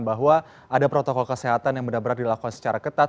bahwa ada protokol kesehatan yang benar benar dilakukan secara ketat